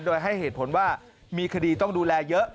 โดยให้เหตุผลว่ามีคดีต้องดูแลเยอะ